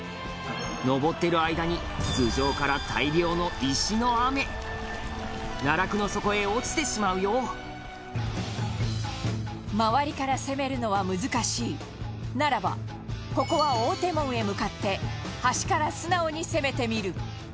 登っている間に頭上から、大量の石の雨奈落の底へ落ちてしまうよ周りから攻めるのは難しいならばここは大手門へ向かって端から素直に攻めてみる。